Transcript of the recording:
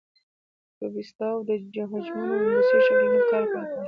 کوبیسټاو د حجمونو او هندسي شکلونو کار پیل کړ.